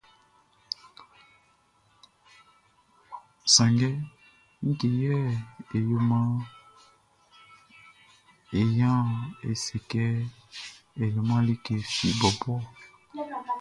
Sanngɛ ngue yɛ e waan é sé kɛ e leman like fi bɔbɔ ɔ?